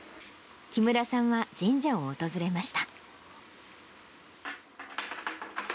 木村さんは神社を訪れました。